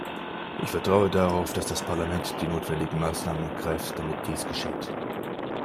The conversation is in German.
Ich vertraue darauf, dass das Parlament die notwendigen Maßnahmen ergreift, damit dies geschieht.